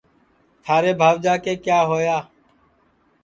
تھارے بھاوجا کے کیا ہویا